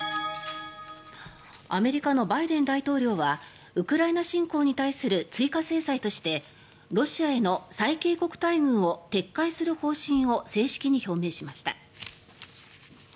アメリカのバイデン大統領はウクライナ侵攻に対する追加制裁としてロシアへの最恵国待遇を撤回する方針を正式に表明しました。